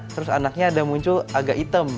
terus anaknya ada muncul agak hitam